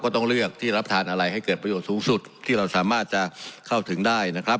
ต้องเลือกที่รับทานอะไรให้เกิดประโยชน์สูงสุดที่เราสามารถจะเข้าถึงได้นะครับ